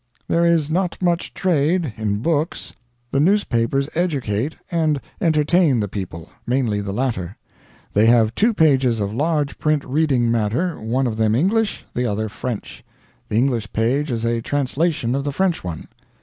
"There is not much trade in books. The newspapers educate and entertain the people. Mainly the latter. They have two pages of large print reading matter one of them English, the other French. The English page is a translation of the French one.